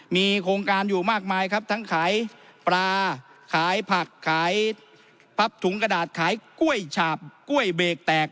มีโครงการอยู่มากมายครับทั้งขายปลาขายผักขายพับถุงกระดาษขายกล้วยฉาบกล้วยเบรกแตก